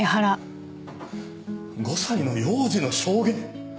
５歳の幼児の証言。